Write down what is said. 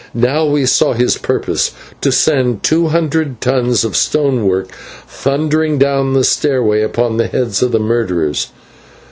Now we saw his purpose to send two hundred tons of stonework thundering down the stairway upon the heads of the murderers.